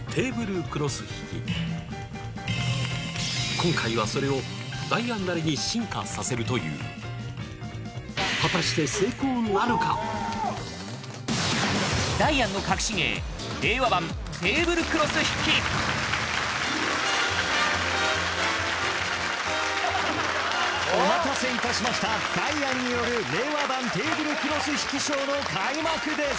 今回はそれをダイアンなりに進化させるという果たしてお待たせいたしましたダイアンによる令和版テーブルクロス引きショーの開幕です